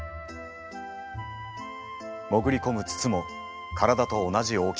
潜り込む筒も体と同じ大きさ！